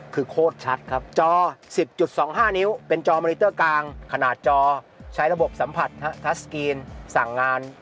คือโคตรชัดครับจอ๑๐๒๕นิ้วเป็นจอมอนิเตอร์กลางขนาดจอใช้ระบบสัมผัสทัศกรีนสั่งงาน